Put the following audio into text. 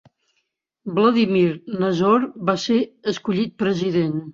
Vladimir Nazor va ser escollit president.